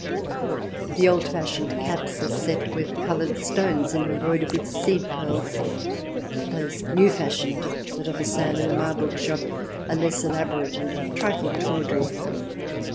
The old fashioned caps are set with coloured stones and embroidered with seed pearls. Those new fashioned that are for sale in the Marburg shop are less elaborate and a trifle tawdry.